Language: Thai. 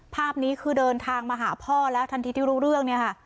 ภาพนี้คือเดินทางมาหาพ่อแล้วทันทีที่รู้เรื่องเนี่ยค่ะ